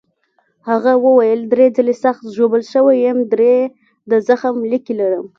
هغه وویل: درې ځلي سخت ژوبل شوی یم، درې د زخم لیکې لرم.